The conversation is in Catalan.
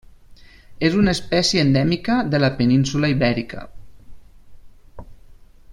És una espècie endèmica de la península Ibèrica.